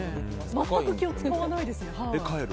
全く気を使わないです。